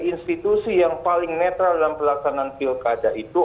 institusi yang paling netral dalam pelaksanaan pilkada itu